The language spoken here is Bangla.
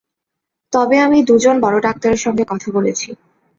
তবে আমি দু জন বড় ডাক্তারের সঙ্গে কথা বলেছি।